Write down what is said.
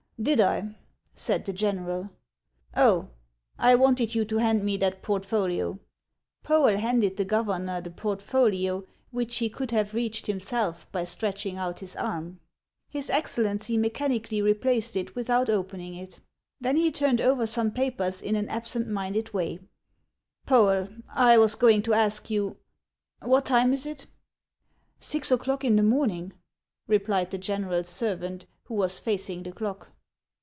" Did I ?" said the general. " Oh, I wanted you to hand me that portfolio." Poel handed the governor the portfolio, which he could have reached himself by stretching out his arm. His Excellency mechanically replaced it without open ing it ; then he turned over some papers in an absent minded way. HANS OF ICELAND. 123 " Poel, I was going to ask you — What time is it ?"" Six o'clock in the morning," replied the general's ser vant, who was facing the clock.